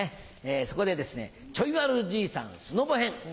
そこでですねチョイ悪じいさんスノボ編。